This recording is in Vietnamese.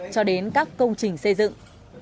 cho đến các công trình xây dựng